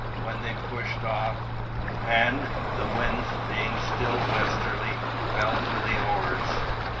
when they pushed off, and (the wind being still westerly) fell to the oars.